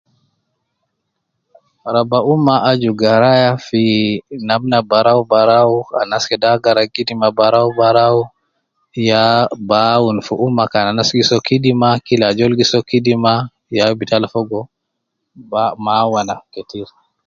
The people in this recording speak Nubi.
Raba ummah aju garaya fi namna barau barau, anas kede agara kidima barau barau, yaa bi awun fi ummah kan anas gi soo kidima, kila ajol gi soo kidima ,ya bi tala fogo ma ,mawana ketir.